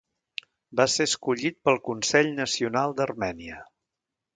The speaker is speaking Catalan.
Va ser escollit pel Consell Nacional d'Armènia.